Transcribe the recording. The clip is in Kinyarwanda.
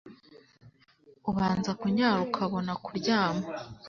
ubanza kunyara ukobona kuryama